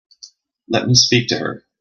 Let me speak to her.